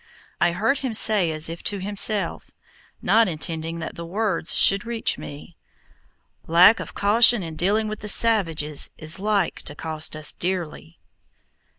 I heard him say as if to himself, not intending that the words should reach me: "Lack of caution in dealing with the savages is like to cost us dearly."